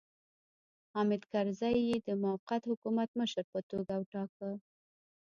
حامد کرزی یې د موقت حکومت مشر په توګه وټاکه.